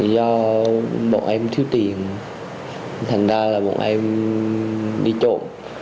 do bọn em thiếu tiền thành ra là bọn em đi trộm